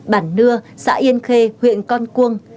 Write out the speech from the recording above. bản nưa xã yên khê huyện con cuông